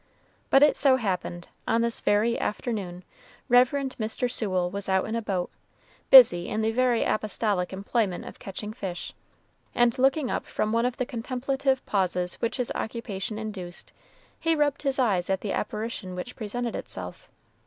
But it so happened, on this very afternoon, Rev. Mr. Sewell was out in a boat, busy in the very apostolic employment of catching fish, and looking up from one of the contemplative pauses which his occupation induced, he rubbed his eyes at the apparition which presented itself.